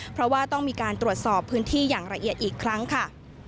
เพราะว่าต้องมีการตรวจสอบพื้นที่อย่างละเอียดอีกครั้งค่ะ